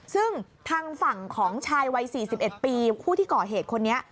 ซึ่งทางฝั่งของชายวัย๔๑ปีผู้ที่ก่อเหตุคนนี้